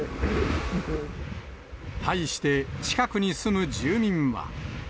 対して、近くに住む住民は。